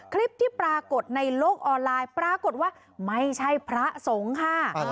คลิปที่ปรากฏในโลกออนไลน์ปรากฏว่าไม่ใช่พระสงฆ์ค่ะ